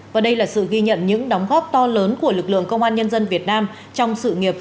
và đây là sự ghi nhận những đóng góp to lớn của lực lượng công an nhân dân việt nam trong sự nghiệp